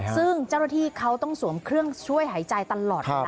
ซึ่งเจ้าหน้าที่เขาต้องสวมเครื่องช่วยหายใจตลอด